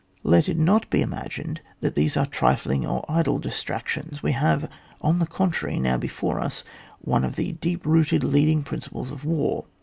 Let it not be imagined that these are trifling or idle distinctions ; we have, on the contrary, now before us one of the deepest rooted, leading principles of war.